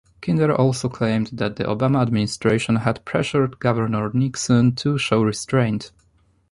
Kinder also claimed that the Obama administration had pressured Governor Nixon to show restraint.